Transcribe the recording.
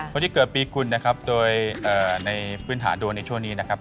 คนที่เกิดปีกุลนะครับโดยในพื้นฐานดวงในช่วงนี้นะครับ